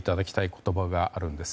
言葉があるんです。